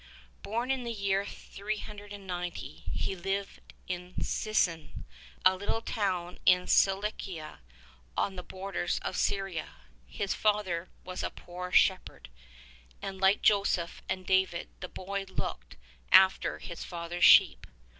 Born in the year 390, he lived in Sisan, a little town in Cilicia on the borders of Syria. His father was a poor shep herd, aiid like Joseph and David the boy looked after his father's sheep.